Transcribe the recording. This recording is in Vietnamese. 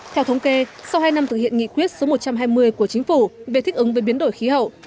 theo thống kê sau hai năm thực hiện nghị quyết số một trăm hai mươi của chính phủ về thích ứng với biến đổi khí hậu